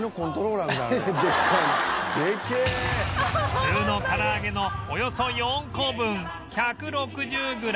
普通の唐揚げのおよそ４個分１６０グラム